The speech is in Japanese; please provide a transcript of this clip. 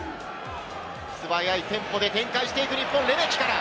素早いテンポで展開していく日本、レメキから。